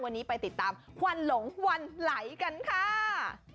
วันนี้ไปติดตามควันหลงวันไหลกันค่ะ